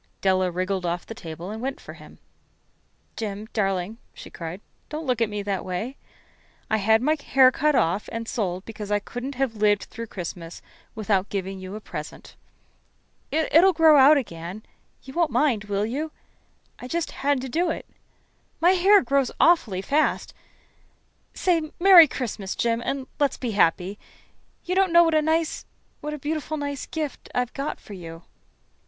Della wriggled off the table and went for him. "Jim, darling," she cried, "don't look at me that way. I had my hair cut off and sold it because I couldn't live through Christmas without giving you a present. It'll grow out again you won't mind, will you? I just had to do it. My hair grows awfully fast. Say 'Merry Christmas,' Jim, and let's be happy. You don't know what a nice what a beautiful, nice gift I've got for you."